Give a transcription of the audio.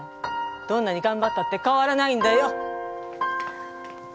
どんなにがんばったって変わらないんだよ！